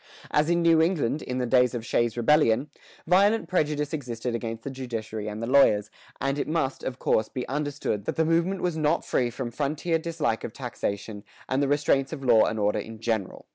[119:1] As in New England, in the days of Shays' Rebellion, violent prejudice existed against the judiciary and the lawyers, and it must, of course, be understood that the movement was not free from frontier dislike of taxation and the restraints of law and order in general.